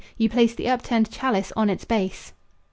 You place the upturned chalice on its base.